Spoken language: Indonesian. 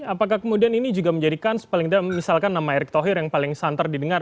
apakah kemudian ini juga menjadikan misalkan nama erick tohir yang paling santer didengar